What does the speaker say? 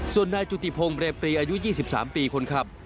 ส่วนนายจุติพงศ์เรปรีอายุ๒๓ปีคนขับ